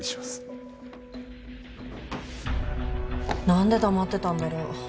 なんで黙ってたんだろう？